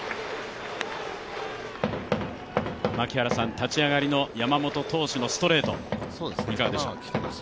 立ち上がりの山本投手のストレート、いかがでしょう。